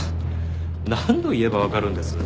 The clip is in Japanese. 何度言えば分かるんです？